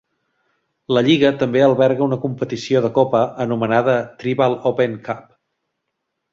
La lliga també alberga una competició de copa anomenada Triball Open Cup.